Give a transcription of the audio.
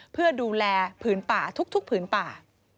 เพื่อดูแลผืนป่าทุกผืนป่า